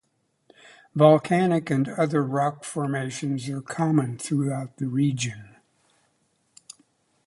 Volcanic and other rock formations are common throughout the region.